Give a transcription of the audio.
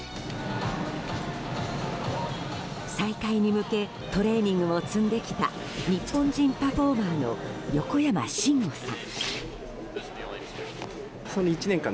再開に向けトレーニングを積んできた日本人パフォーマーの横山真吾さん。